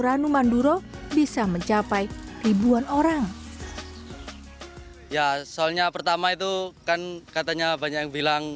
ranu manduro bisa mencapai ribuan orang ya soalnya pertama itu kan katanya banyak yang bilang